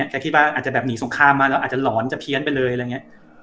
แกคิดว่าอาจจะแบบหนีส่วนข้ามมาแล้วอาจจะหลอนจะเพี้ยนไปเลย